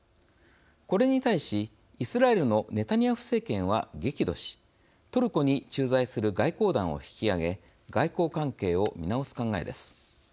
これに対し、イスラエルのネタニヤフ政権は激怒しトルコに駐在する外交団を引き揚げ外交関係を見直す考えです。